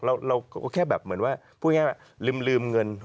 เราก็แค่แบบเหมือนว่าพูดง่ายว่าลืมเงิน